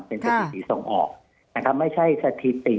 เป็นสถิติส่งออกนะครับไม่ใช่สถิติ